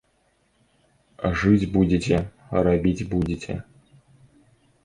Жыць будзеце, рабіць будзеце.